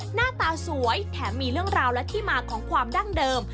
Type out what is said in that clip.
หน้าตาสวยแถมมีเรื่องราวและที่มาของความดั้งเดิม